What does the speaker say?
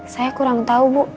saya kurang tahu bu